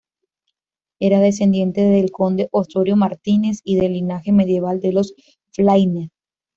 Era descendiente del conde Osorio Martínez y del linaje medieval de los Flaínez.